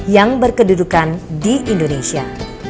yang berkedudukan di indonesia